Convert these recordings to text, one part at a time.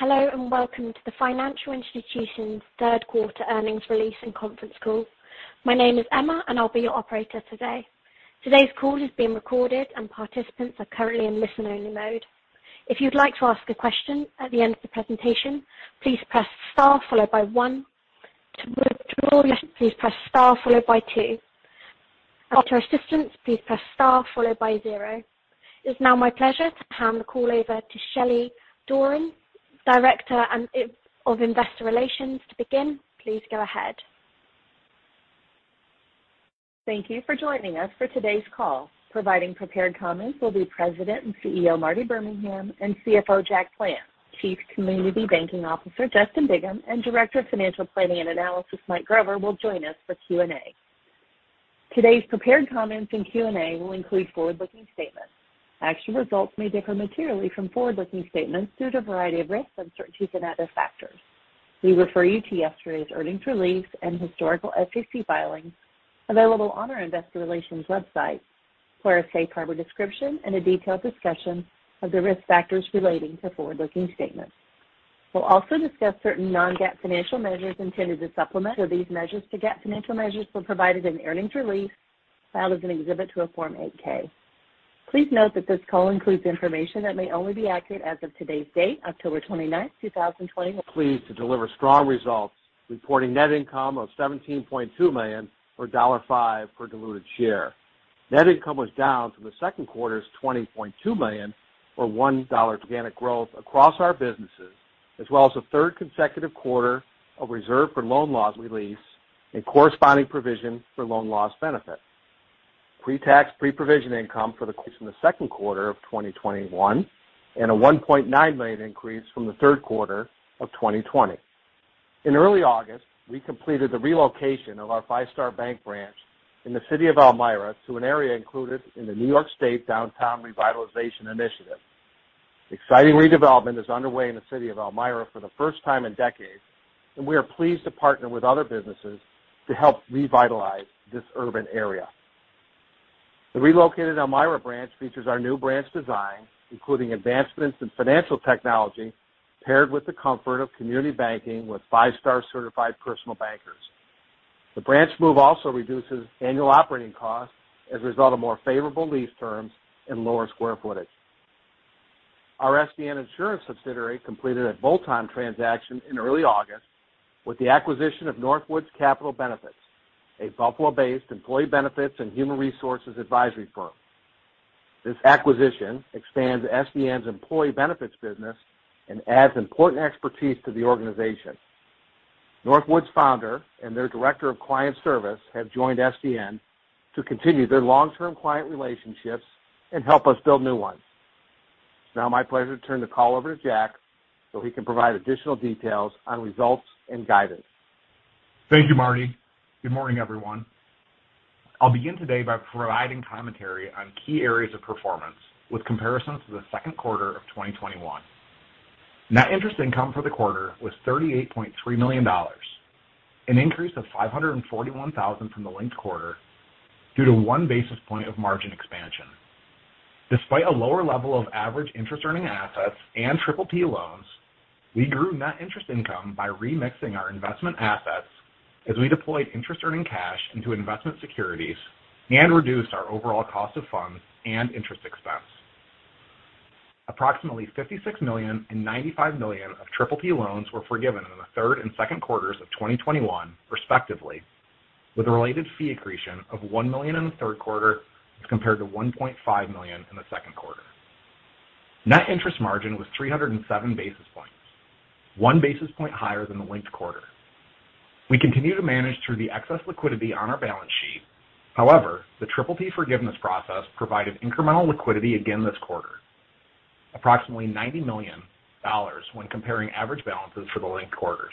Hello, and welcome to the Financial Institutions third quarter earnings release and conference call. My name is Emma, and I'll be your operator today. Today's call is being recorded, and participants are currently in listen-only mode. If you'd like to ask a question at the end of the presentation, please press star followed by one. To withdraw, please press star followed by two. For assistance, please press star followed by zero. It's now my pleasure to hand the call over to Shelly Doran, Director of Investor Relations. To begin, please go ahead. Thank you for joining us for today's call. Providing prepared comments will be President and CEO, Martin Birmingham, and CFO, Jack Plants. Chief Community Banking Officer, Justin Bigham, and Director of Financial Planning and Analysis, Mike Grover, will join us for Q&A. Today's prepared comments in Q&A will include forward-looking statements. Actual results may differ materially from forward-looking statements due to a variety of risks, uncertainties, and other factors. We refer you to yesterday's earnings release and historical SEC filings available on our investor relations website for a safe harbor description and a detailed discussion of the risk factors relating to forward-looking statements. We'll also discuss certain non-GAAP financial measures intended to supplement. These measures to GAAP financial measures were provided in earnings release filed as an exhibit to a Form 8-K. Please note that this call includes information that may only be accurate as of today's date, October 29, 2021. Pleased to deliver strong results, reporting net income of $17.2 million, or $5 per diluted share. Net income was down from the second quarter's $20.2 million, or $1. Organic growth across our businesses, as well as the third consecutive quarter of loan loss reserve release and corresponding provision for loan loss benefit. Pre-tax, pre-provision income for the increase in the second quarter of 2021 and a $1.9 million increase from the third quarter of 2020. In early August, we completed the relocation of our Five Star Bank branch in the city of Elmira to an area included in the New York State Downtown Revitalization Initiative. Exciting redevelopment is underway in the city of Elmira for the first time in decades, and we are pleased to partner with other businesses to help revitalize this urban area. The relocated Elmira branch features our new branch design, including advancements in financial technology paired with the comfort of community banking with Five Star certified personal bankers. The branch move also reduces annual operating costs as a result of more favorable lease terms and lower square footage. Our SDN insurance subsidiary completed a tuck-in transaction in early August with the acquisition of North Woods Capital Benefits, a Buffalo-based employee benefits and human resources advisory firm. This acquisition expands SDN's employee benefits business and adds important expertise to the organization. North Woods' founder and their director of client service have joined SDN to continue their long-term client relationships and help us build new ones. It's now my pleasure to turn the call over to Jack, so he can provide additional details on results and guidance. Thank you, Marty. Good morning, everyone. I'll begin today by providing commentary on key areas of performance with comparisons to the second quarter of 2021. Net interest income for the quarter was $38.3 million, an increase of $541,000 from the linked quarter due to one basis point of margin expansion. Despite a lower level of average interest earning assets and PPP loans, we grew net interest income by remixing our investment assets as we deployed interest earning cash into investment securities and reduced our overall cost of funds and interest expense. Approximately $56 million and $95 million of PPP loans were forgiven in the third and second quarters of 2021, respectively, with a related fee accretion of $1 million in the third quarter as compared to $1.5 million in the second quarter. Net interest margin was 307 basis points, one basis point higher than the linked quarter. We continue to manage through the excess liquidity on our balance sheet. However, the PPP forgiveness process provided incremental liquidity again this quarter, approximately $90 million when comparing average balances for the linked quarters.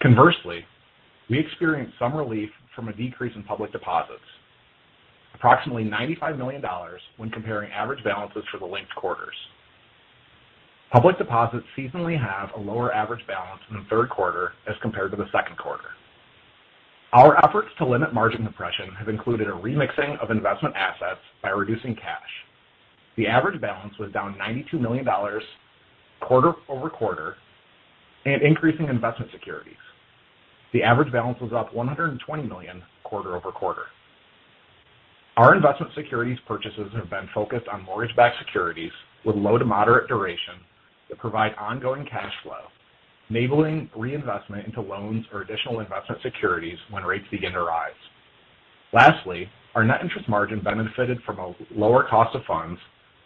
Conversely, we experienced some relief from a decrease in public deposits, approximately $95 million when comparing average balances for the linked quarters. Public deposits seasonally have a lower average balance in the third quarter as compared to the second quarter. Our efforts to limit margin compression have included a remixing of investment assets by reducing cash. The average balance was down $92 million quarter over quarter and increasing investment securities. The average balance was up $120 million quarter over quarter. Our investment securities purchases have been focused on mortgage-backed securities with low to moderate duration that provide ongoing cash flow, enabling reinvestment into loans or additional investment securities when rates begin to rise. Lastly, our net interest margin benefited from a lower cost of funds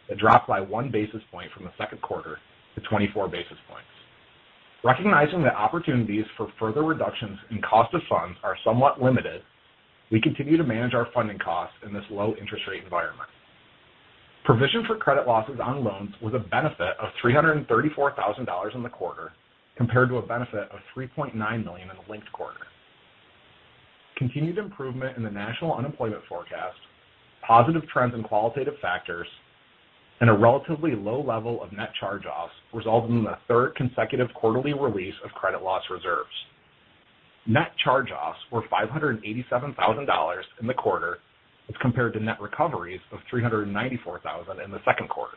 that dropped by one basis point from the second quarter to 24 basis points. Recognizing that opportunities for further reductions in cost of funds are somewhat limited, we continue to manage our funding costs in this low interest rate environment. Provision for credit losses on loans was a benefit of $334,000 in the quarter, compared to a benefit of $3.9 million in the linked quarter. Continued improvement in the national unemployment forecast, positive trends and qualitative factors, and a relatively low level of net charge-offs resulted in the third consecutive quarterly release of credit loss reserves. Net charge-offs were $587,000 in the quarter as compared to net recoveries of $394,000 in the second quarter.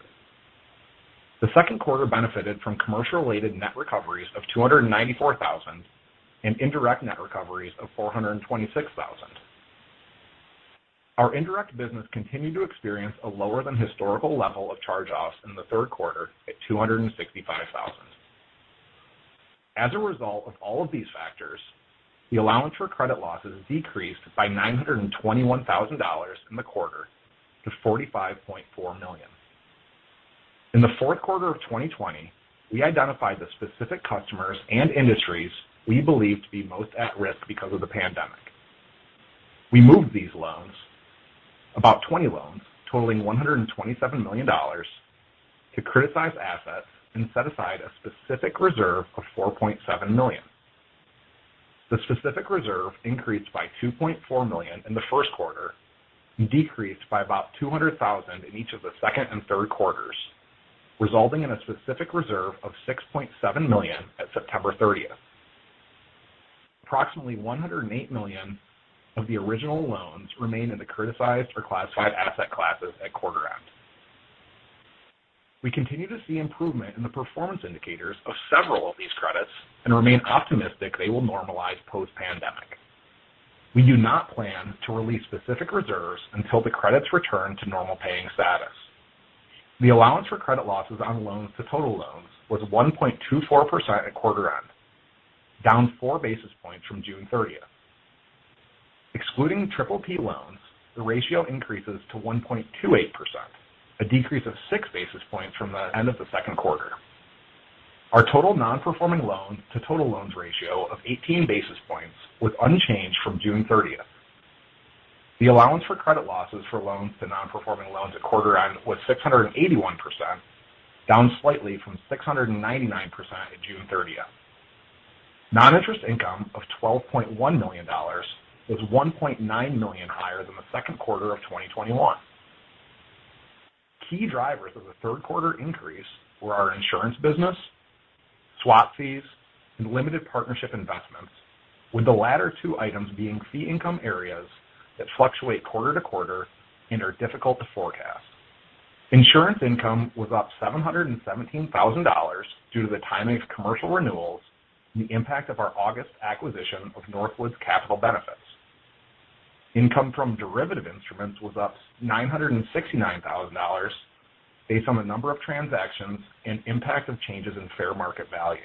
The second quarter benefited from commercial-related net recoveries of $294,000 and indirect net recoveries of $426,000. Our indirect business continued to experience a lower than historical level of charge-offs in the third quarter at $265,000. As a result of all of these factors, the allowance for credit losses decreased by $921 thousand in the quarter to $45.4 million. In the fourth quarter of 2020, we identified the specific customers and industries we believe to be most at risk because of the pandemic. We moved these loans, about 20 loans totaling $127 million, to criticized assets and set aside a specific reserve of $4.7 million. The specific reserve increased by $2.4 million in the first quarter and decreased by about $200,000 in each of the second and third quarters, resulting in a specific reserve of $6.7 million at September 30. Approximately $108 million of the original loans remain in the criticized or classified asset classes at quarter end. We continue to see improvement in the performance indicators of several of these credits and remain optimistic they will normalize post-pandemic. We do not plan to release specific reserves until the credits return to normal paying status. The allowance for credit losses on loans to total loans was 1.24% at quarter end, down four basis points from June 30. Excluding PPP loans, the ratio increases to 1.28%, a decrease of six basis points from the end of the second quarter. Our total non-performing loans to total loans ratio of 18 basis points was unchanged from June 30. The allowance for credit losses for loans to non-performing loans at quarter end was 681%, down slightly from 699% at June 30. Non-interest income of $12.1 million was $1.9 million higher than the second quarter of 2021. Key drivers of the third quarter increase were our insurance business, swap fees, and limited partnership investments, with the latter two items being fee income areas that fluctuate quarter to quarter and are difficult to forecast. Insurance income was up $717,000 due to the timing of commercial renewals and the impact of our August acquisition of North Woods Capital Benefits. Income from derivative instruments was up $969,000 based on the number of transactions and impact of changes in fair market value.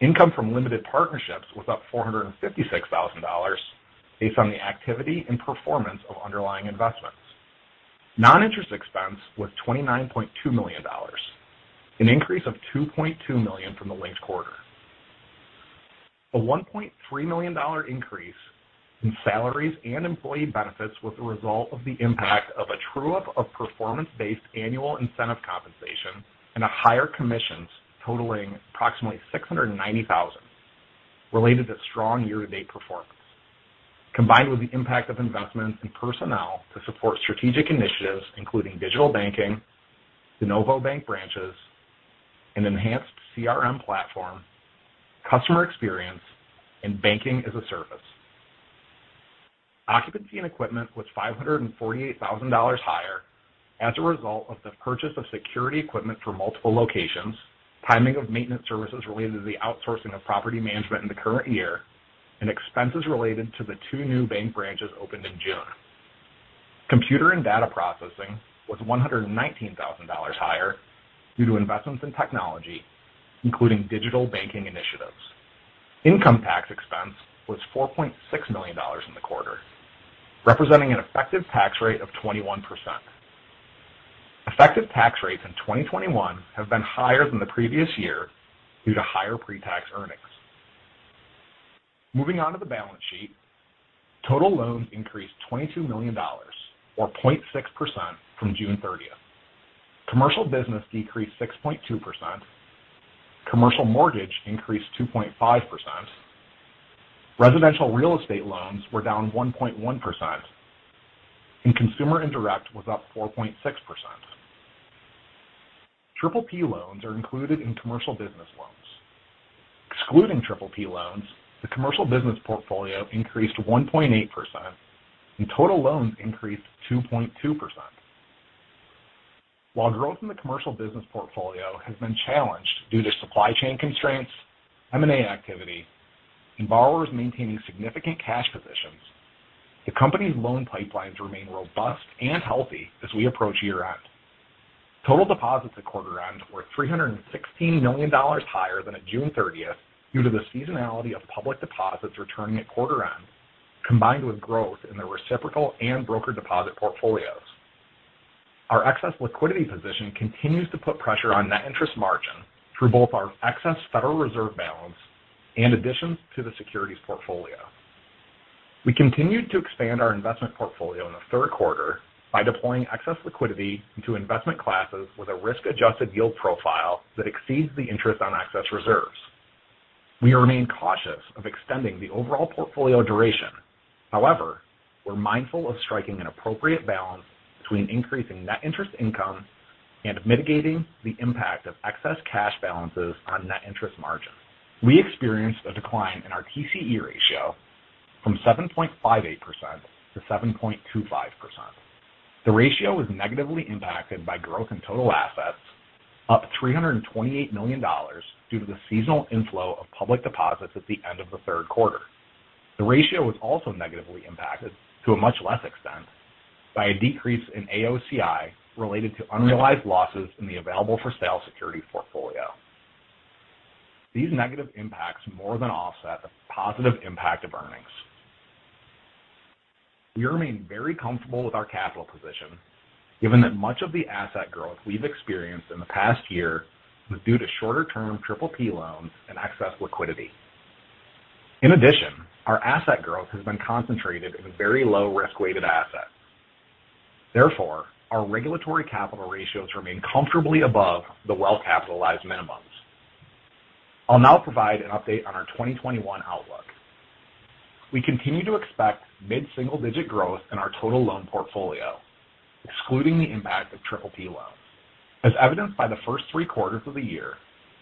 Income from limited partnerships was up $456,000 based on the activity and performance of underlying investments. Non-interest expense was $29.2 million, an increase of $2.2 million from the linked quarter. A $1.3 million increase in salaries and employee benefits was a result of the impact of a true-up of performance-based annual incentive compensation and higher commissions totaling approximately $690,000 related to strong year-to-date performance, combined with the impact of investments in personnel to support strategic initiatives, including digital banking, De Novo Bank branches, an enhanced CRM platform, customer experience and banking-as-a-service. Occupancy and equipment was $548,000 higher as a result of the purchase of security equipment for multiple locations, timing of maintenance services related to the outsourcing of property management in the current year, and expenses related to the two new bank branches opened in June. Computer and data processing was $119,000 higher due to investments in technology, including digital banking initiatives. Income tax expense was $4.6 million in the quarter, representing an effective tax rate of 21%. Effective tax rates in 2021 have been higher than the previous year due to higher pre-tax earnings. Moving on to the balance sheet. Total loans increased $22 million or 0.6% from June 30. Commercial business decreased 6.2%. Commercial mortgage increased 2.5%. Residential real estate loans were down 1.1%. Consumer indirect was up 4.6%. PPP loans are included in commercial business loans. Excluding PPP loans, the commercial business portfolio increased 1.8% and total loans increased 2.2%. While growth in the commercial business portfolio has been challenged due to supply chain constraints, M&A activity, and borrowers maintaining significant cash positions, the company's loan pipelines remain robust and healthy as we approach year-end. Total deposits at quarter end were $316 million higher than at June 30 due to the seasonality of public deposits returning at quarter end, combined with growth in the reciprocal and broker deposit portfolios. Our excess liquidity position continues to put pressure on net interest margin through both our excess Federal Reserve balance and additions to the securities portfolio. We continued to expand our investment portfolio in the third quarter by deploying excess liquidity into investment classes with a risk-adjusted yield profile that exceeds the interest on excess reserves. We remain cautious of extending the overall portfolio duration. However, we're mindful of striking an appropriate balance between increasing net interest income and mitigating the impact of excess cash balances on net interest margin. We experienced a decline in our TCE ratio from 7.58% to 7.25%. The ratio was negatively impacted by growth in total assets, up $328 million due to the seasonal inflow of public deposits at the end of the third quarter. The ratio was also negatively impacted to a much less extent by a decrease in AOCI related to unrealized losses in the available-for-sale security portfolio. These negative impacts more than offset the positive impact of earnings. We remain very comfortable with our capital position, given that much of the asset growth we've experienced in the past year was due to shorter-term PPP loans and excess liquidity. In addition, our asset growth has been concentrated in very low risk-weighted assets. Therefore, our regulatory capital ratios remain comfortably above the well-capitalized minimums. I'll now provide an update on our 2021 outlook. We continue to expect mid-single-digit growth in our total loan portfolio, excluding the impact of PPP loans. As evidenced by the first three quarters of the year,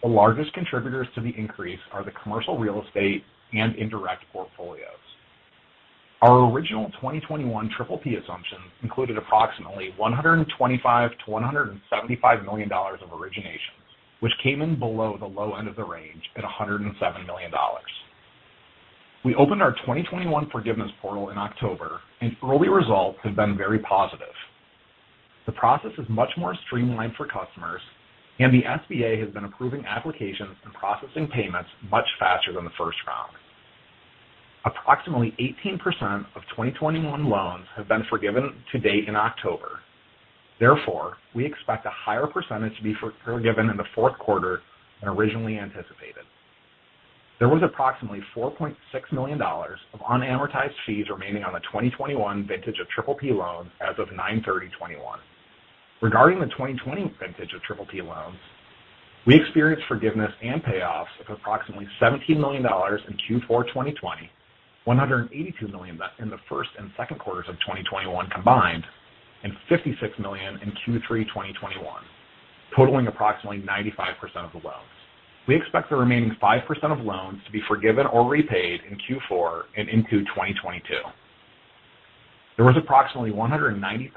the largest contributors to the increase are the commercial real estate and indirect portfolios. Our original 2021 PPP assumptions included approximately $125 million-$175 million of origination, which came in below the low end of the range at $107 million. We opened our 2021 forgiveness portal in October, and early results have been very positive. The process is much more streamlined for customers, and the SBA has been approving applications and processing payments much faster than the first round. Approximately 18% of 2021 loans have been forgiven to date in October. Therefore, we expect a higher percentage to be forgiven in the fourth quarter than originally anticipated. There was approximately $4.6 million of unamortized fees remaining on the 2021 vintage of PPP loans as of 9/30/2021. Regarding the 2020 vintage of PPP loans, we experienced forgiveness and payoffs of approximately $17 million in Q4 2020, $182 million in the first and second quarters of 2021 combined, and $56 million in Q3 2021, totaling approximately 95% of the loans. We expect the remaining 5% of loans to be forgiven or repaid in Q4 and into 2022. There was approximately $190,000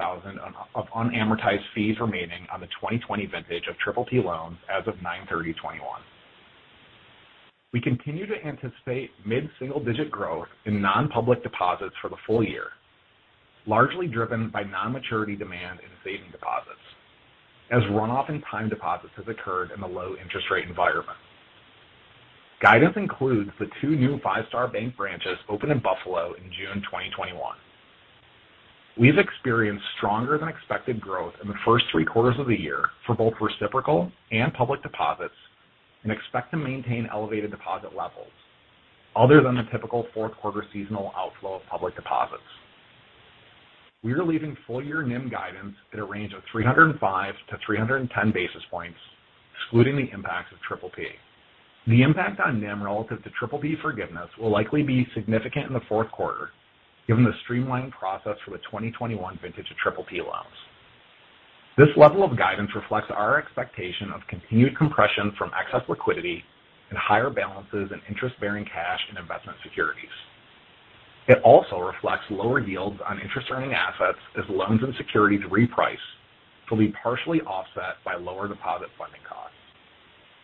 of unamortized fees remaining on the 2020 vintage of PPP loans as of 9/30/2021. We continue to anticipate mid-single-digit growth in nonpublic deposits for the full year, largely driven by non-maturity demand and savings deposits as runoff in time deposits has occurred in the low interest rate environment. Guidance includes the two new Five Star Bank branches opened in Buffalo in June 2021. We've experienced stronger than expected growth in the first three quarters of the year for both reciprocal and public deposits and expect to maintain elevated deposit levels other than the typical fourth quarter seasonal outflow of public deposits. We are leaving full-year NIM guidance at a range of 305-310 basis points, excluding the impacts of PPP. The impact on NIM relative to PPP forgiveness will likely be significant in the fourth quarter, given the streamlined process for the 2021 vintage of PPP loans. This level of guidance reflects our expectation of continued compression from excess liquidity and higher balances in interest-bearing cash and investment securities. It also reflects lower yields on interest-earning assets as loans and securities reprice to be partially offset by lower deposit funding costs.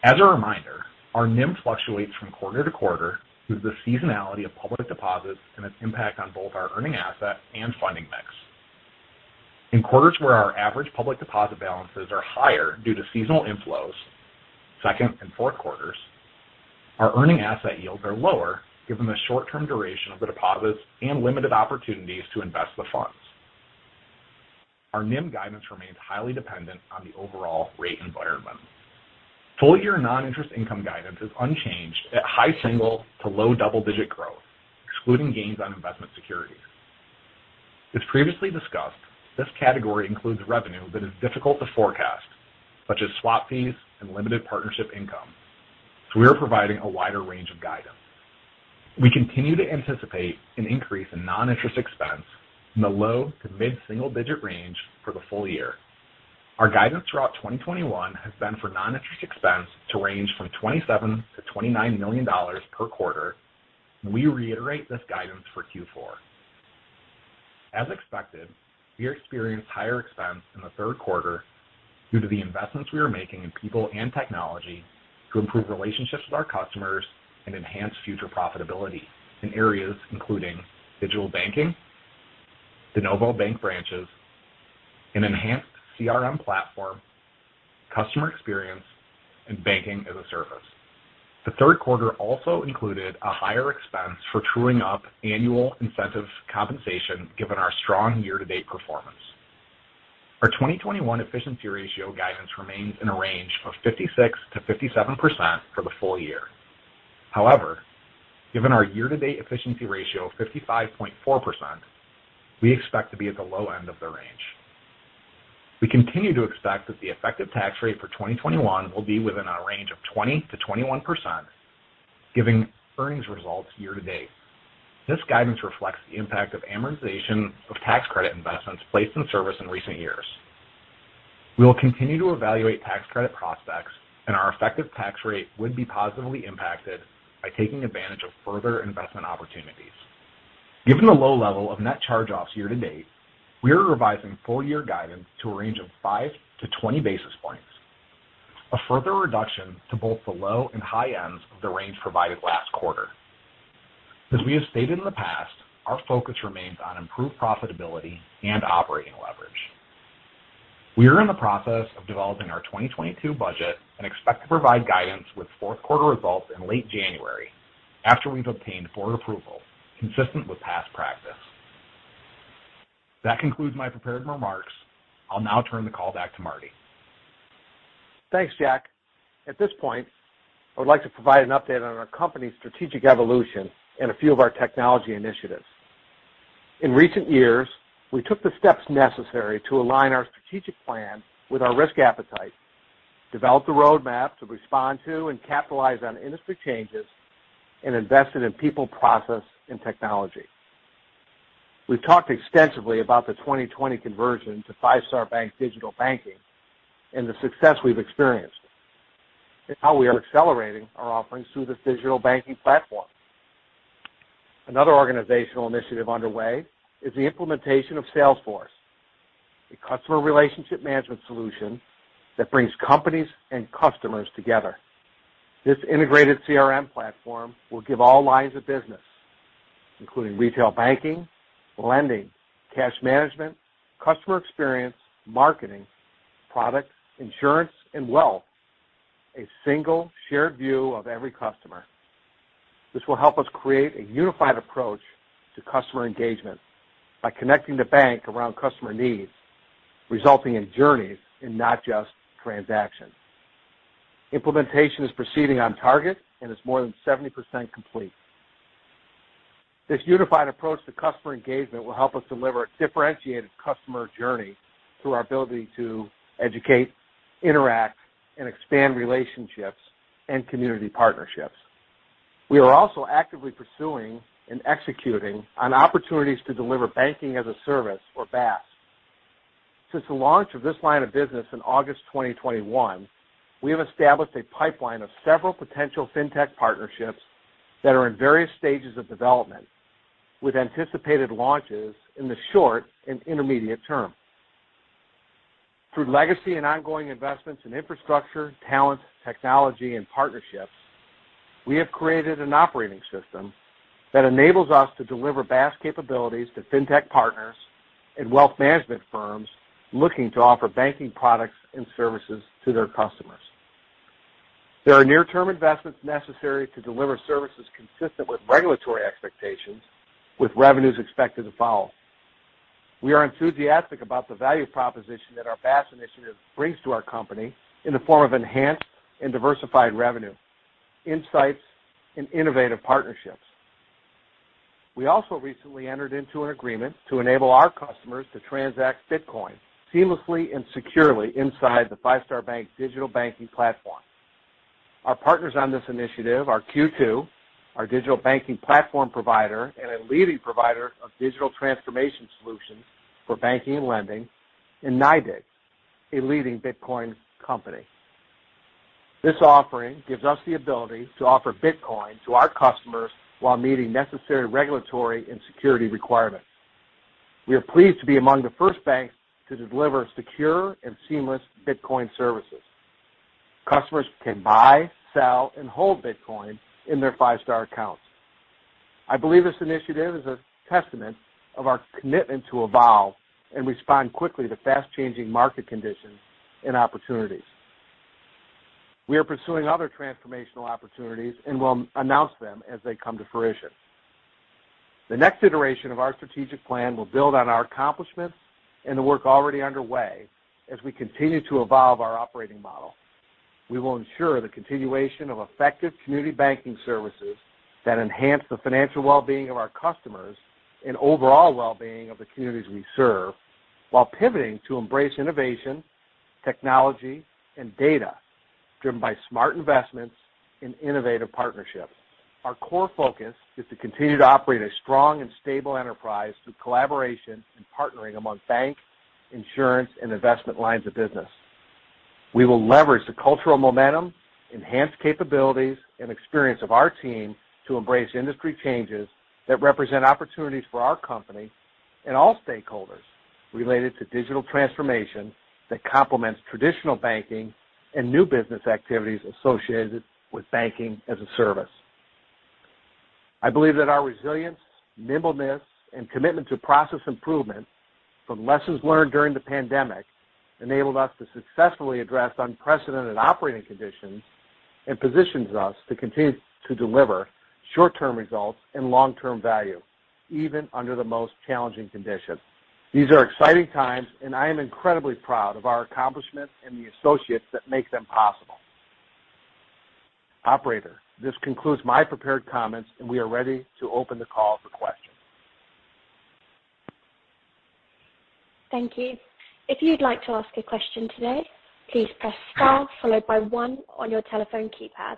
As a reminder, our NIM fluctuates from quarter to quarter due to the seasonality of public deposits and its impact on both our earning asset and funding mix. In quarters where our average public deposit balances are higher due to seasonal inflows, second and fourth quarters, our earning asset yields are lower given the short-term duration of the deposits and limited opportunities to invest the funds. Our NIM guidance remains highly dependent on the overall rate environment. Full-year non-interest income guidance is unchanged at high single- to low double-digit growth, excluding gains on investment securities. As previously discussed, this category includes revenue that is difficult to forecast, such as swap fees and limited partnership income, so we are providing a wider range of guidance. We continue to anticipate an increase in non-interest expense in the low to mid-single digit range for the full year. Our guidance throughout 2021 has been for non-interest expense to range from $27 million-$29 million per quarter. We reiterate this guidance for Q4. As expected, we experienced higher expense in the third quarter due to the investments we are making in people and technology to improve relationships with our customers and enhance future profitability in areas including digital banking, De Novo Bank branches, an enhanced CRM platform, customer experience, and banking-as-a-service. The third quarter also included a higher expense for truing up annual incentive compensation given our strong year-to-date performance. Our 2021 efficiency ratio guidance remains in a range of 56%-57% for the full year. However, given our year-to-date efficiency ratio of 55.4%, we expect to be at the low end of the range. We continue to expect that the effective tax rate for 2021 will be within our range of 20%-21%, giving earnings results year to date. This guidance reflects the impact of amortization of tax credit investments placed in service in recent years. We will continue to evaluate tax credit prospects, and our effective tax rate would be positively impacted by taking advantage of further investment opportunities. Given the low level of net charge-offs year to date, we are revising full year guidance to a range of 5-20 basis points, a further reduction to both the low and high ends of the range provided last quarter. As we have stated in the past, our focus remains on improved profitability and operating leverage. We are in the process of developing our 2022 budget and expect to provide guidance with fourth quarter results in late January after we've obtained board approval, consistent with past practice. That concludes my prepared remarks. I'll now turn the call back to Marty. Thanks, Jack. At this point, I would like to provide an update on our company's strategic evolution and a few of our technology initiatives. In recent years, we took the steps necessary to align our strategic plan with our risk appetite, developed a roadmap to respond to and capitalize on industry changes, and invested in people, process, and technology. We've talked extensively about the 2020 conversion to Five Star Bank digital banking and the success we've experienced and how we are accelerating our offerings through this digital banking platform. Another organizational initiative underway is the implementation of Salesforce, a customer relationship management solution that brings companies and customers together. This integrated CRM platform will give all lines of business, including retail banking, lending, cash management, customer experience, marketing, product, insurance, and wealth, a single shared view of every customer. This will help us create a unified approach to customer engagement by connecting the bank around customer needs, resulting in journeys and not just transactions. Implementation is proceeding on target and is more than 70% complete. This unified approach to customer engagement will help us deliver a differentiated customer journey through our ability to educate, interact, and expand relationships and community partnerships. We are also actively pursuing and executing on opportunities to deliver banking-as-a-service or BaaS. Since the launch of this line of business in August 2021, we have established a pipeline of several potential fintech partnerships that are in various stages of development, with anticipated launches in the short and intermediate term. Through legacy and ongoing investments in infrastructure, talent, technology, and partnerships, we have created an operating system that enables us to deliver BaaS capabilities to fintech partners and wealth management firms looking to offer banking products and services to their customers. There are near-term investments necessary to deliver services consistent with regulatory expectations, with revenues expected to follow. We are enthusiastic about the value proposition that our BaaS initiative brings to our company in the form of enhanced and diversified revenue, insights, and innovative partnerships. We also recently entered into an agreement to enable our customers to transact Bitcoin seamlessly and securely inside the Five Star Bank digital banking platform. Our partners on this initiative are Q2, our digital banking platform provider and a leading provider of digital transformation solutions for banking and lending, and NYDIG, a leading Bitcoin company. This offering gives us the ability to offer Bitcoin to our customers while meeting necessary regulatory and security requirements. We are pleased to be among the first banks to deliver secure and seamless Bitcoin services. Customers can buy, sell, and hold Bitcoin in their Five Star accounts. I believe this initiative is a testament of our commitment to evolve and respond quickly to fast-changing market conditions and opportunities. We are pursuing other transformational opportunities and will announce them as they come to fruition. The next iteration of our strategic plan will build on our accomplishments and the work already underway as we continue to evolve our operating model. We will ensure the continuation of effective community banking services that enhance the financial well-being of our customers and overall well-being of the communities we serve, while pivoting to embrace innovation, technology, and data driven by smart investments in innovative partnerships. Our core focus is to continue to operate a strong and stable enterprise through collaboration and partnering among bank, insurance, and investment lines of business. We will leverage the cultural momentum, enhanced capabilities, and experience of our team to embrace industry changes that represent opportunities for our company and all stakeholders related to digital transformation that complements traditional banking and new business activities associated with banking-as-a-service. I believe that our resilience, nimbleness, and commitment to process improvement from lessons learned during the pandemic enabled us to successfully address unprecedented operating conditions and positions us to continue to deliver short-term results and long-term value, even under the most challenging conditions. These are exciting times, and I am incredibly proud of our accomplishments and the associates that make them possible. Operator, this concludes my prepared comments, and we are ready to open the call for questions. Thank you. If you'd like to ask a question today, please press star followed by one on your telephone keypad.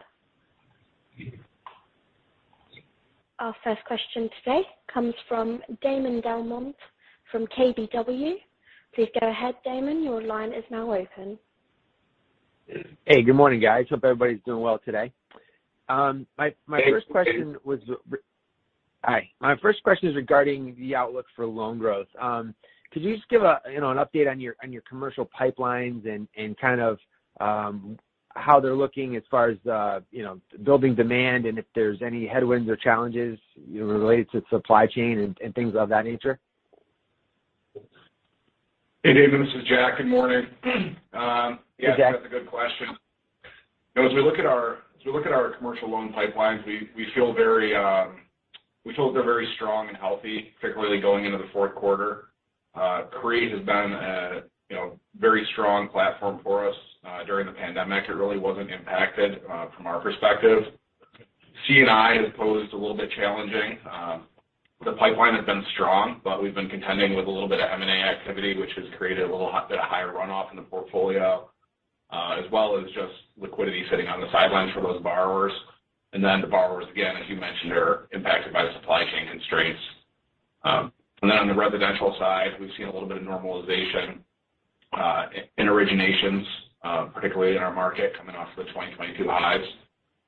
Our first question today comes from Damon DelMonte from KBW. Please go ahead, Damon. Your line is now open. Hey, good morning, guys. Hope everybody's doing well today. My first question was. Hey, Damon. Hi. My first question is regarding the outlook for loan growth. Could you just give a, you know, an update on your commercial pipelines and kind of how they're looking as far as the, you know, building demand and if there's any headwinds or challenges related to supply chain and things of that nature? Hey, Damon, this is Jack. Good morning. Hey, Jack. Yeah, that's a good question. You know, as we look at our commercial loan pipelines, we feel like they're very strong and healthy, particularly going into the fourth quarter. CRE has been a, you know, very strong platform for us during the pandemic. It really wasn't impacted from our perspective. C&I has posed a little bit challenging. The pipeline has been strong, but we've been contending with a little bit of M&A activity, which has created a little bit of higher runoff in the portfolio, as well as just liquidity sitting on the sidelines for those borrowers. Then the borrowers, again, as you mentioned, are impacted by the supply chain constraints. On the residential side, we've seen a little bit of normalization in originations, particularly in our market coming off the 2022 highs.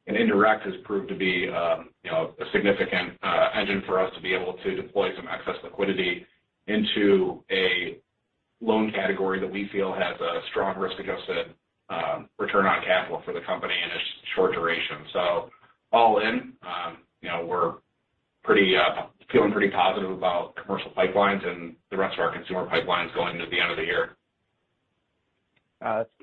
Indirect has proved to be, you know, a significant engine for us to be able to deploy some excess liquidity into a loan category that we feel has a strong risk-adjusted return on capital for the company in a short duration. All in, you know, we're pretty feeling pretty positive about commercial pipelines and the rest of our consumer pipelines going into the end of the year.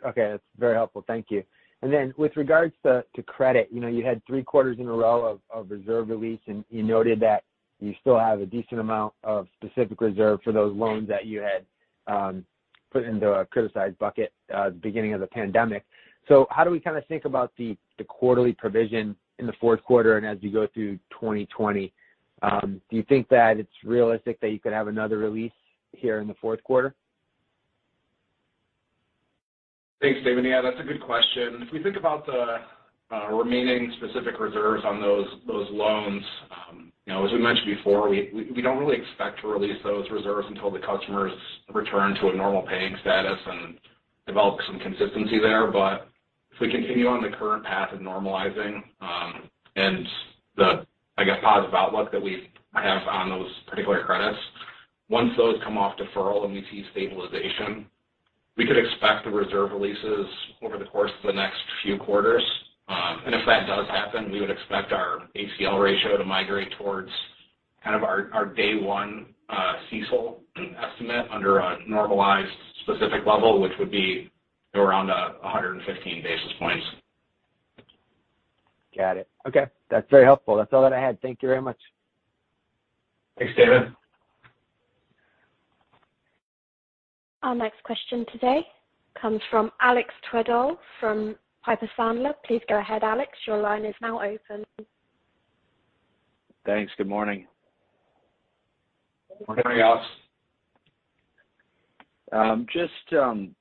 Okay. That's very helpful. Thank you. Then with regards to credit, you know, you had three quarters in a row of reserve release, and you noted that you still have a decent amount of specific reserve for those loans that you had put into a criticized bucket at the beginning of the pandemic. How do we kind of think about the quarterly provision in the fourth quarter and as you go through 2020? Do you think that it's realistic that you could have another release here in the fourth quarter? Thanks, Damon. Yeah, that's a good question. If we think about the remaining specific reserves on those loans, you know, as we mentioned before, we don't really expect to release those reserves until the customers return to a normal paying status and develop some consistency there. If we continue on the current path of normalizing, and the, I guess, positive outlook that we have on those particular credits, once those come off deferral and we see stabilization, we could expect the reserve releases over the course of the next few quarters. If that does happen, we would expect our ACL ratio to migrate towards kind of our day one CECL estimate under a normalized specific level, which would be around 115 basis points. Got it. Okay. That's very helpful. That's all that I had. Thank you very much. Thanks, Damon. Our next question today comes from Alex Twerdahl from Piper Sandler. Please go ahead, Alex. Your line is now open. Thanks. Good morning. Good morning, Alex. Just on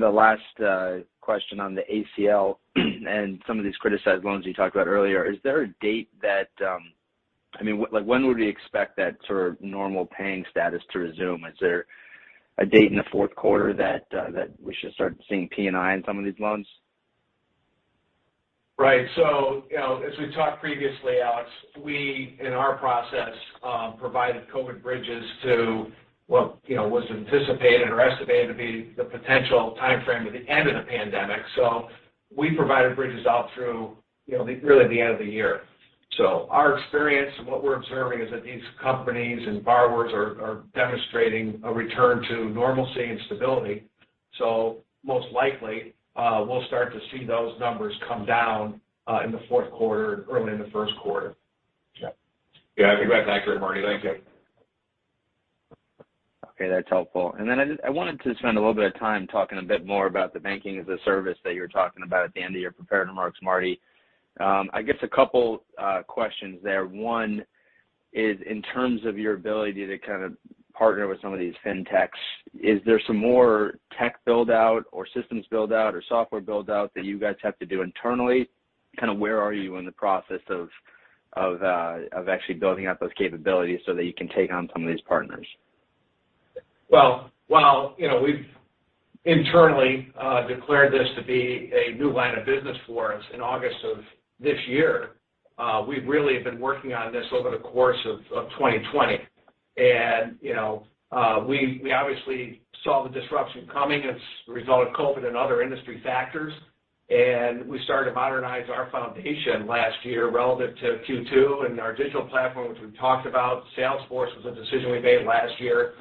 the last question on the ACL and some of these criticized loans you talked about earlier, is there a date that I mean, like, when would we expect that sort of normal paying status to resume? Is there a date in the fourth quarter that we should start seeing P&I on some of these loans? Right. You know, as we talked previously, Alex, we in our process provided COVID bridges to what, you know, was anticipated or estimated to be the potential timeframe to the end of the pandemic. We provided bridges all through, you know, really the end of the year. Our experience and what we're observing is that these companies and borrowers are demonstrating a return to normalcy and stability. Most likely, we'll start to see those numbers come down in the fourth quarter, early in the first quarter. Yeah. Yeah, I think that's great, Marty. Thank you. Okay, that's helpful. I wanted to spend a little bit of time talking a bit more about the banking as a service that you were talking about at the end of your prepared remarks, Marty. I guess a couple questions there. One is in terms of your ability to kind of partner with some of these Fintechs, is there some more tech build-out or systems build-out or software build-out that you guys have to do internally? Kind of where are you in the process of actually building out those capabilities so that you can take on some of these partners? Well, while, you know, we've internally declared this to be a new line of business for us in August of this year, we've really been working on this over the course of 2020. You know, we obviously saw the disruption coming as a result of COVID and other industry factors. We started to modernize our foundation last year relative to Q2 and our digital platform, which we've talked about. Salesforce was a decision we made last year.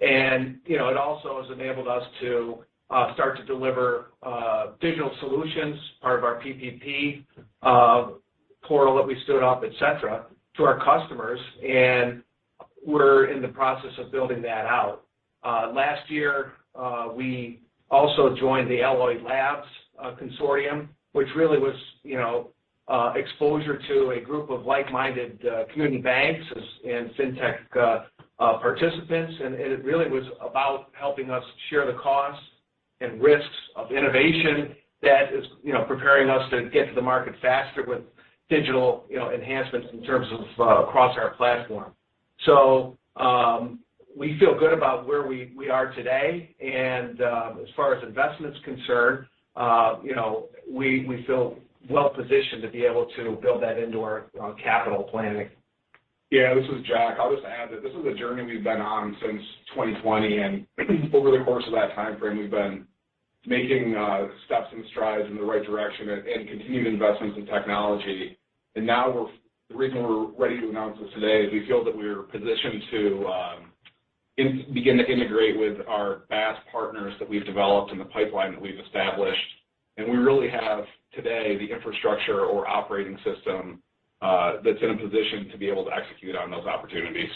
You know, it also has enabled us to start to deliver digital solutions, part of our PPP. Portal that we stood up, et cetera, to our customers, and we're in the process of building that out. Last year, we also joined the Alloy Labs consortium, which really was, you know, exposure to a group of like-minded, community banks and fintech participants. It really was about helping us share the costs and risks of innovation that is, you know, preparing us to get to the market faster with digital, you know, enhancements in terms of, across our platform. We feel good about where we are today, and, as far as investment's concerned, you know, we feel well positioned to be able to build that into our capital planning. Yeah, this is Jack. I'll just add that this is a journey we've been on since 2020, and over the course of that timeframe, we've been making steps and strides in the right direction and continued investments in technology. Now we're the reason we're ready to announce this today is we feel that we are positioned to begin to integrate with our BaaS partners that we've developed and the pipeline that we've established. We really have, today, the infrastructure or operating system that's in a position to be able to execute on those opportunities.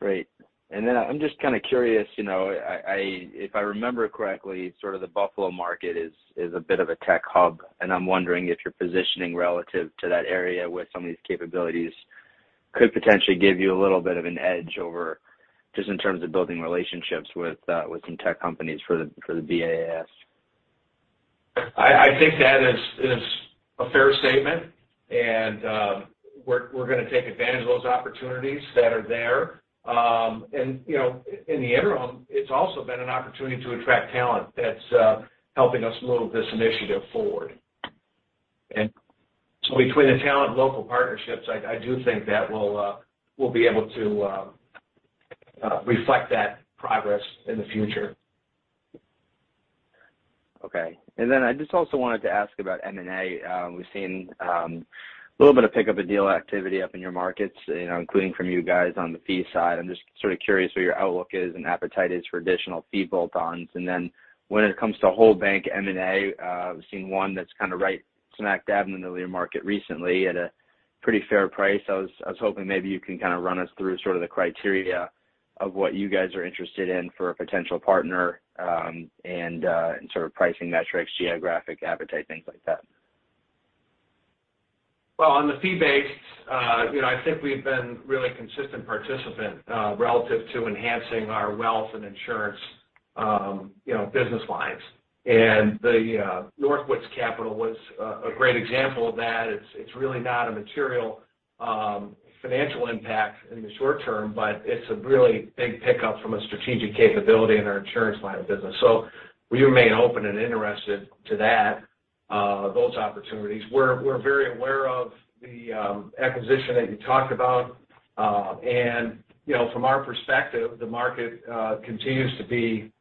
Great. Then I'm just kind of curious, you know, if I remember correctly, sort of the Buffalo market is a bit of a tech hub, and I'm wondering if your positioning relative to that area with some of these capabilities could potentially give you a little bit of an edge over just in terms of building relationships with some tech companies for the BaaS. I think that is a fair statement, and we're gonna take advantage of those opportunities that are there. You know, in the interim, it's also been an opportunity to attract talent that's helping us move this initiative forward. Between the talent and local partnerships, I do think that we'll be able to reflect that progress in the future. Okay. I just also wanted to ask about M&A. We've seen a little bit of pick up of deal activity up in your markets, you know, including from you guys on the fee side. I'm just sort of curious what your outlook is and appetite is for additional fee add-ons. When it comes to whole bank M&A, we've seen one that's kind of right smack dab in the middle of your market recently at a pretty fair price. I was hoping maybe you can kind of run us through sort of the criteria of what you guys are interested in for a potential partner, and sort of pricing metrics, geographic appetite, things like that. Well, on the fee base, you know, I think we've been a really consistent participant, relative to enhancing our wealth and insurance, you know, business lines. The North Woods Capital was a great example of that. It's really not a material financial impact in the short term, but it's a really big pickup from a strategic capability in our insurance line of business. We remain open and interested to those opportunities. We're very aware of the acquisition that you talked about. You know, from our perspective, the market continues to be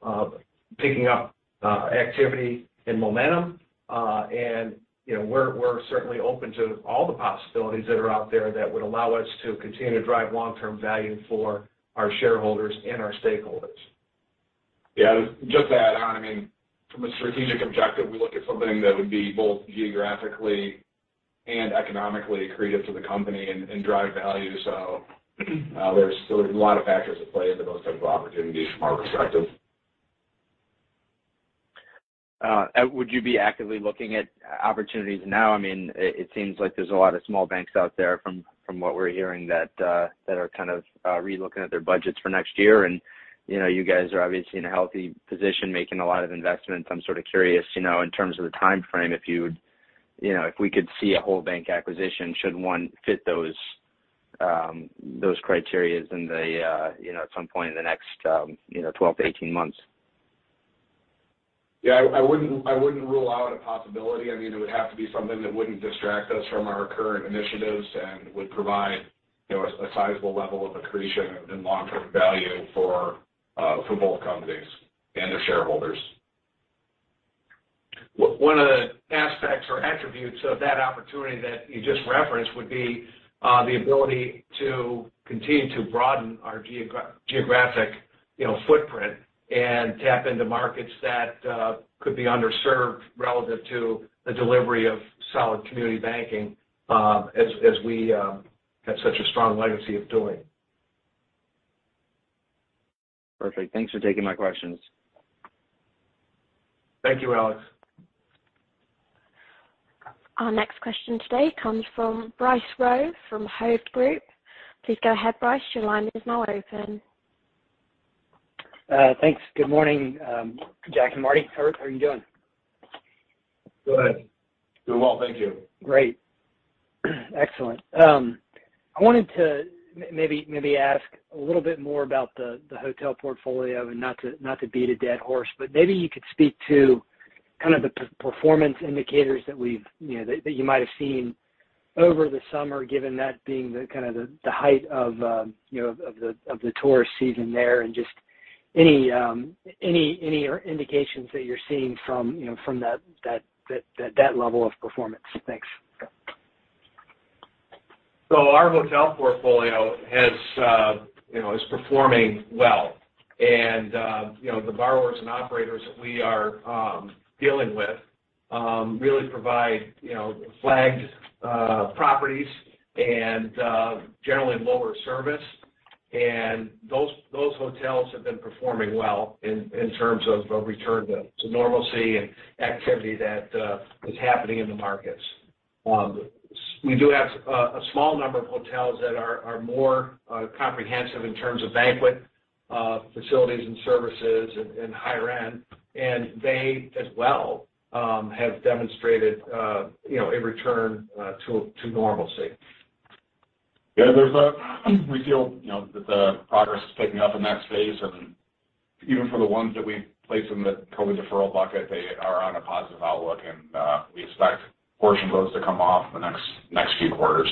picking up activity and momentum. You know, we're certainly open to all the possibilities that are out there that would allow us to continue to drive long-term value for our shareholders and our stakeholders. Yeah. Just to add on, I mean, from a strategic objective, we look at something that would be both geographically and economically accretive to the company and drive value. There's a lot of factors at play in those types of opportunities from our perspective. Would you be actively looking at opportunities now? I mean, it seems like there's a lot of small banks out there from what we're hearing that are kind of relooking at their budgets for next year. You know, you guys are obviously in a healthy position, making a lot of investments. I'm sort of curious, you know, in terms of the timeframe, if you would, you know, if we could see a whole bank acquisition should one fit those criteria in the, you know, at some point in the next, you know, 12-18 months. Yeah. I wouldn't rule out a possibility. I mean, it would have to be something that wouldn't distract us from our current initiatives and would provide, you know, a sizable level of accretion and long-term value for both companies and their shareholders. One of the aspects or attributes of that opportunity that you just referenced would be the ability to continue to broaden our geographic, you know, footprint and tap into markets that could be underserved relative to the delivery of solid community banking, as we have such a strong legacy of doing. Perfect. Thanks for taking my questions. Thank you, Alex. Our next question today comes from Bryce Rowe from Hovde Group. Please go ahead, Bryce. Your line is now open. Thanks. Good morning, Jack and Marty. How are you doing? Good. Doing well. Thank you. Great. Excellent. I wanted to maybe ask a little bit more about the hotel portfolio and not to beat a dead horse, but maybe you could speak to kind of the performance indicators that we've you know that you might have seen over the summer, given that being the kind of the height of you know of the tourist season there and just any indications that you're seeing from you know from that level of performance. Thanks. Our hotel portfolio has you know is performing well. You know, the borrowers and operators that we are dealing with really provide you know flagged properties and generally lower service. Those hotels have been performing well in terms of a return to normalcy and activity that is happening in the markets. We do have a small number of hotels that are more comprehensive in terms of banquet facilities and services and higher end, and they as well have demonstrated you know a return to normalcy. Yeah, we feel, you know, that the progress is picking up in that space. Even for the ones that we've placed in the COVID deferral bucket, they are on a positive outlook and we expect a portion of those to come off in the next few quarters.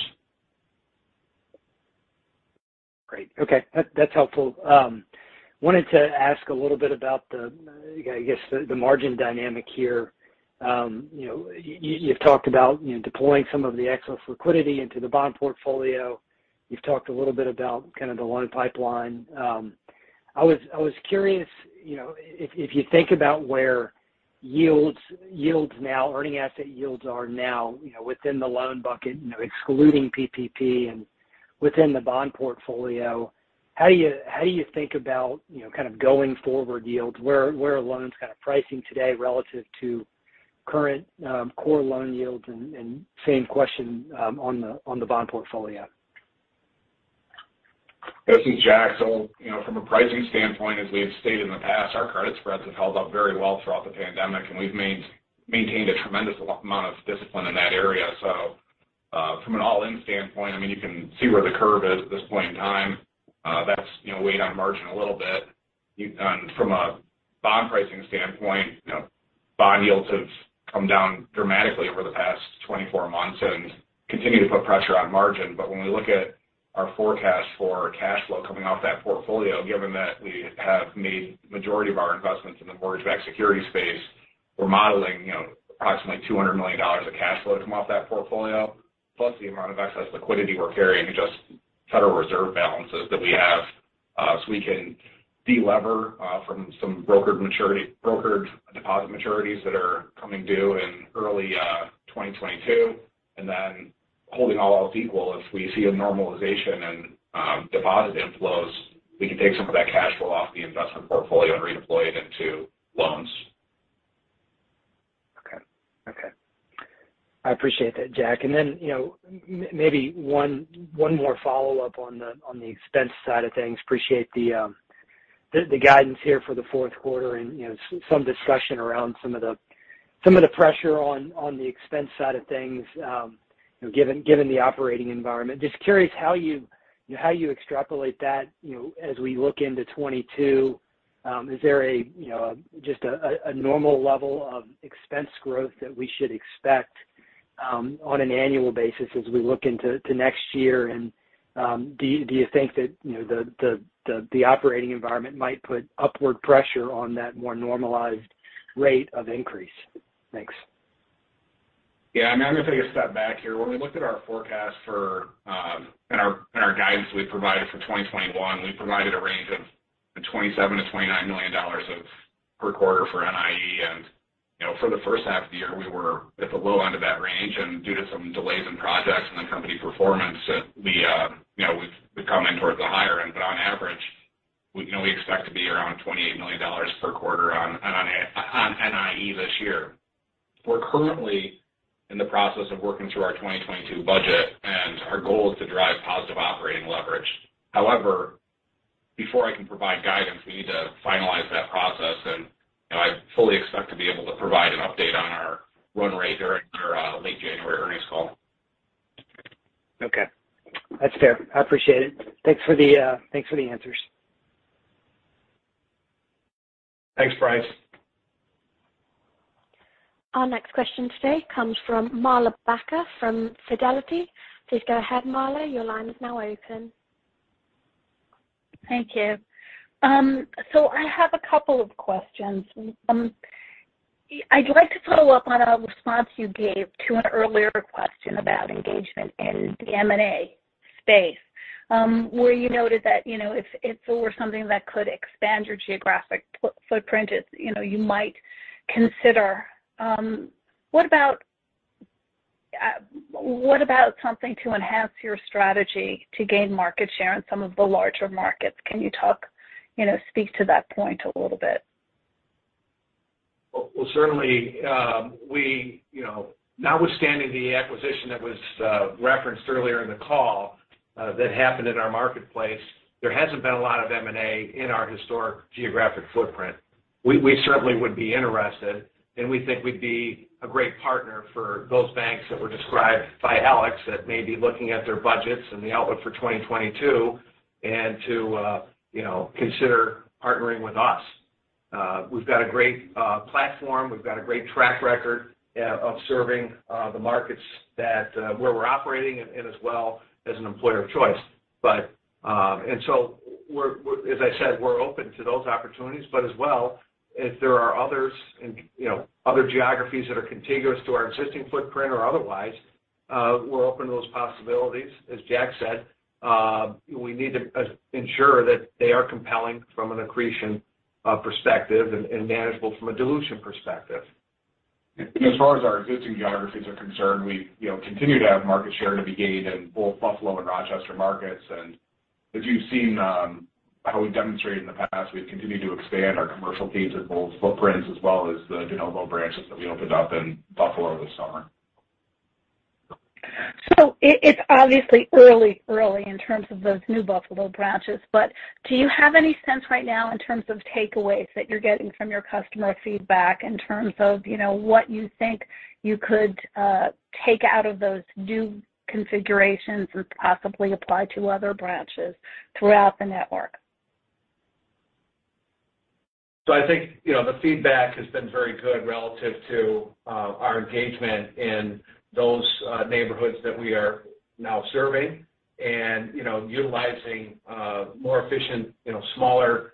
Great. Okay. That's helpful. Wanted to ask a little bit about the, I guess, the margin dynamic here. You know, you've talked about, you know, deploying some of the excess liquidity into the bond portfolio. You've talked a little bit about kind of the loan pipeline. I was curious, you know, if you think about where yields now, earning asset yields are now, you know, within the loan bucket, you know, excluding PPP and within the bond portfolio, how do you think about, you know, kind of going forward yields? Where are loans kind of pricing today relative to current core loan yields? And same question on the bond portfolio. This is Jack. You know, from a pricing standpoint, as we have stated in the past, our credit spreads have held up very well throughout the pandemic, and we've maintained a tremendous amount of discipline in that area. From an all-in standpoint, I mean, you can see where the curve is at this point in time. That's, you know, weighed on margin a little bit. From a bond pricing standpoint, you know, bond yields have come down dramatically over the past 24 months and continue to put pressure on margin. When we look at our forecast for cash flow coming off that portfolio, given that we have made majority of our investments in the mortgage-backed security space, we're modeling, you know, approximately $200 million of cash flow to come off that portfolio, plus the amount of excess liquidity we're carrying in just Federal Reserve balances that we have, so we can de-lever from some brokered deposit maturities that are coming due in early 2022. Then holding all else equal, if we see a normalization in deposit inflows, we can take some of that cash flow off the investment portfolio and redeploy it into loans. Okay. I appreciate that, Jack. Maybe one more follow-up on the expense side of things. I appreciate the guidance here for the fourth quarter and, you know, some discussion around some of the pressure on the expense side of things, you know, given the operating environment. Just curious how you extrapolate that, you know, as we look into 2022. Is there, you know, just a normal level of expense growth that we should expect on an annual basis as we look into next year? Do you think that, you know, the operating environment might put upward pressure on that more normalized rate of increase? Thanks. Yeah. I mean, I'm going to take a step back here. When we looked at our forecast for and our guidance we provided for 2021, we provided a range of $27-$29 million per quarter for NIE. You know, for the first half of the year, we were at the low end of that range. Due to some delays in projects and the company performance, you know, we've come in towards the higher end. On average, you know, we expect to be around $28 million per quarter on NIE this year. We're currently in the process of working through our 2022 budget, and our goal is to drive positive operating leverage. However, before I can provide guidance, we need to finalize that process. You know, I fully expect to be able to provide an update on our run rate during our late January earnings call. Okay. That's fair. I appreciate it. Thanks for the answers. Thanks, Bryce. Our next question today comes from Marla Barker from Fidelity. Please go ahead, Marla. Your line is now open. Thank you. So I have a couple of questions. I'd like to follow up on a response you gave to an earlier question about engagement in the M&A space, where you noted that, you know, if it were something that could expand your geographic footprint, you know, you might consider. What about something to enhance your strategy to gain market share in some of the larger markets? Can you talk, you know, speak to that point a little bit? Well, certainly, you know, notwithstanding the acquisition that was referenced earlier in the call, that happened in our marketplace, there hasn't been a lot of M&A in our historic geographic footprint. We certainly would be interested, and we think we'd be a great partner for those banks that were described by Alex that may be looking at their budgets and the outlook for 2022 and to, you know, consider partnering with us. We've got a great platform. We've got a great track record of serving the markets that where we're operating and as well as an employer of choice. We're open to those opportunities, but as well if there are others in, you know, other geographies that are contiguous to our existing footprint or otherwise, we're open to those possibilities. As Jack said, we need to ensure that they are compelling from an accretion perspective and manageable from a dilution perspective. As far as our existing geographies are concerned, we, you know, continue to have market share to be gained in both Buffalo and Rochester markets. As you've seen how we've demonstrated in the past, we've continued to expand our commercial presence in both footprints as well as the de novo branches that we opened up in Buffalo this summer. It's obviously early in terms of those new Buffalo branches, but do you have any sense right now in terms of takeaways that you're getting from your customer feedback in terms of, you know, what you think you could take out of those new configurations and possibly apply to other branches throughout the network? I think, you know, the feedback has been very good relative to our engagement in those neighborhoods that we are now serving and, you know, utilizing more efficient, you know, smaller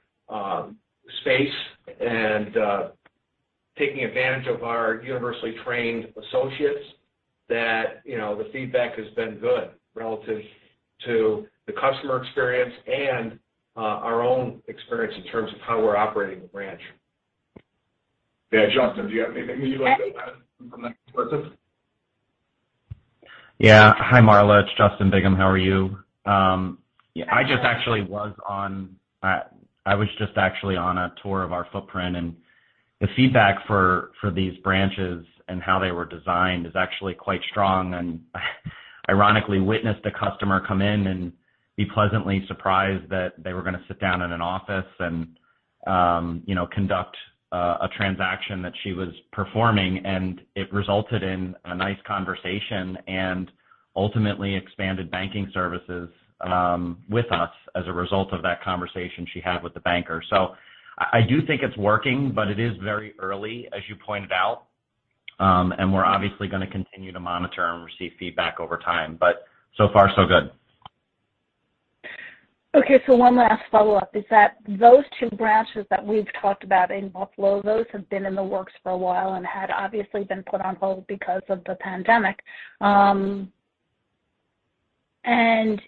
space and taking advantage of our universally trained associates that, you know, the feedback has been good relative to the customer experience and our own experience in terms of how we're operating the branch. Yeah. Justin, do you have anything you'd like to add from that perspective? Yeah. Hi, Marla. It's Justin Bigham. How are you? I just actually was on a tour of our footprint, and the feedback for these branches and how they were designed is actually quite strong. I ironically witnessed a customer come in and be pleasantly surprised that they were going to sit down in an office and, you know, conduct a transaction that she was performing. It resulted in a nice conversation and ultimately expanded banking services with us as a result of that conversation she had with the banker. I do think it's working, but it is very early, as you pointed out. We're obviously going to continue to monitor and receive feedback over time, but so far so good. Okay. One last follow-up is that those two branches that we've talked about in Buffalo, those have been in the works for a while and had obviously been put on hold because of the pandemic.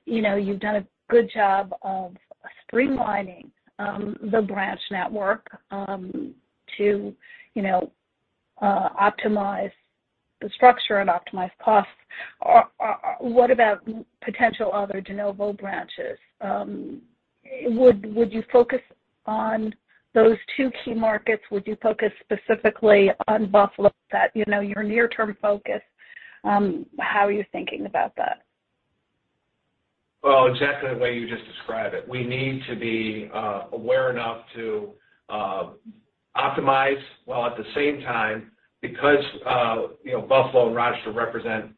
You know, you've done a good job of streamlining the branch network to you know optimize the structure and optimize costs. What about potential other De Novo branches? Would you focus on those two key markets? Would you focus specifically on Buffalo that you know your near-term focus? How are you thinking about that? Well, exactly the way you just described it. We need to be aware enough to optimize while at the same time, because you know, Buffalo and Rochester represent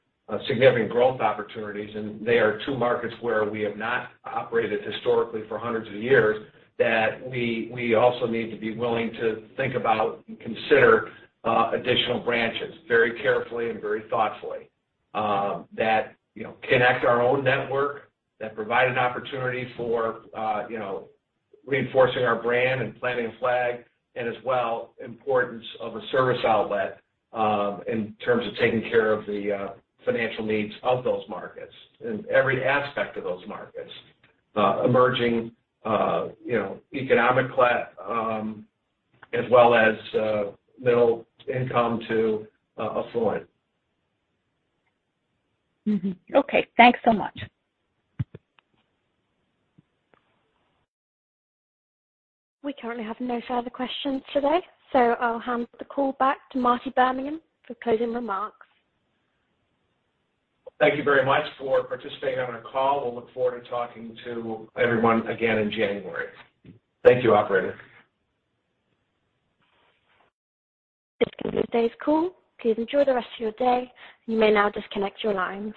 significant growth opportunities, and they are two markets where we have not operated historically for hundreds of years, that we also need to be willing to think about and consider additional branches very carefully and very thoughtfully, that you know, connect our own network, that provide an opportunity for you know, reinforcing our brand and planting a flag and as well importance of a service outlet, in terms of taking care of the financial needs of those markets in every aspect of those markets, emerging you know, economic class, as well as middle income to affluent. Okay. Thanks so much. We currently have no further questions today, so I'll hand the call back to Martin Birmingham for closing remarks. Thank you very much for participating on our call. We'll look forward to talking to everyone again in January. Thank you, operator. This concludes today's call. Please enjoy the rest of your day. You may now disconnect your lines.